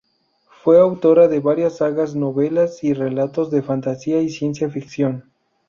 Fue autora de varias sagas, novelas y relatos de fantasía y ciencia ficción.